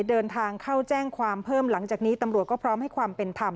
เดินทางเข้าแจ้งความเพิ่มหลังจากนี้ตำรวจก็พร้อมให้ความเป็นธรรม